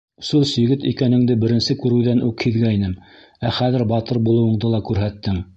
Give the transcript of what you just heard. Сос егет икәненде беренсе күреүҙән үк һиҙгәйнем, ә хәҙер батыр булыуынды ла күрһәттең.